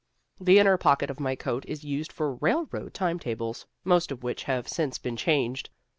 The inner pocket of my coat is used for railroad timetables, most of which have since been changed.